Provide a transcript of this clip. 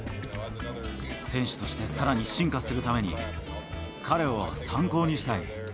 選手としてさらに進化するために、彼を参考にしたい。